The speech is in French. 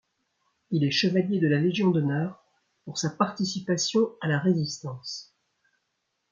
Il est chevalier de la Légion d'honneur pour sa participation à la Résistance.